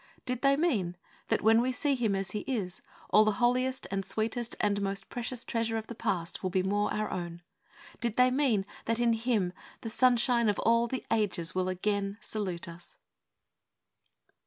Did they mean that, when we see Him as He is, all the holiest and sweetest and most precious treasure of the Past will be more our own? Did they mean that in Him the sunshine of all the ages will again salute us?